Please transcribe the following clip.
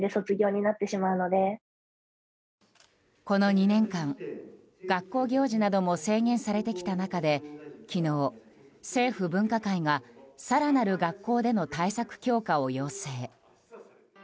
この２年間、学校行事なども制限されてきた中で昨日、政府分科会が更なる学校での対策強化を要請。